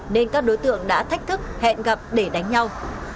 nên các đối tượng đã thách thức hẹn gặp để đánh nhau